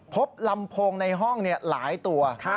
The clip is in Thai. พบลำโพงในห้องหลายตัว